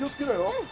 うん。